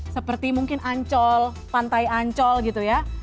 seperti mungkin ancol pantai ancol gitu ya